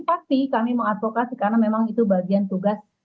pasti kami mengadvokasi karena memang itu bagian tugas